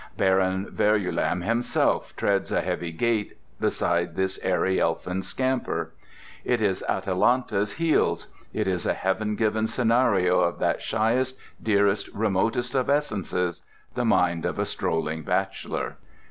Baron Verulam himself treads a heavy gait beside this airy elfin scamper. It is Atalanta's heels. It is a heaven given scenario of that shyest, dearest, remotest of essences—the mind of a strolling bachelor.